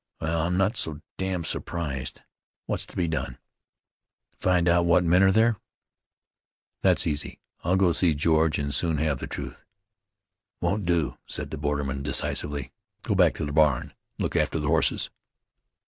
"Well, I'm not so damned surprised! What's to be done?" "Find out what men are there?" "That's easy. I'll go to see George and soon have the truth." "Won't do," said the borderman decisively. "Go back to the barn, an' look after the hosses."